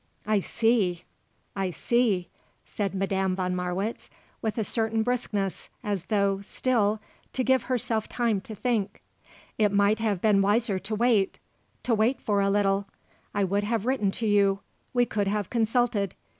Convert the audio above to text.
"I see; I see;" said Madame von Marwitz, with a certain briskness, as though, still, to give herself time to think. "It might have been wiser to wait to wait for a little. I would have written to you. We could have consulted.